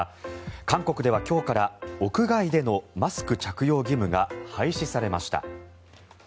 韓国では今日から屋外でのマスク着用義務が廃止されました。